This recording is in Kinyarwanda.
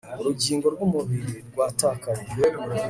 urugingo rw'umubiri rwatakaye